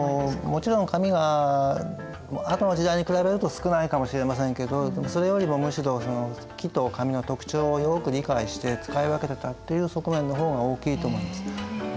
もちろん紙はあとの時代に比べると少ないかもしれませんけどそれよりもむしろ木と紙の特長をよく理解して使い分けてたっていう側面の方が大きいと思います。